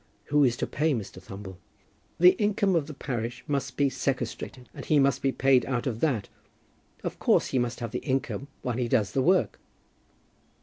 "Who is to pay Mr. Thumble?" "The income of the parish must be sequestrated, and he must be paid out of that. Of course he must have the income while he does the work."